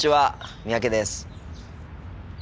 三宅です。